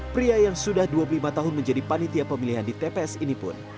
pria yang sudah dua puluh lima tahun menjadi panitia pemilihan di tps ini pun